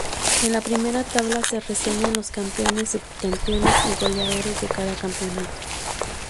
En la primera tabla se reseñan los campeones, subcampeones y goleadores de cada campeonato.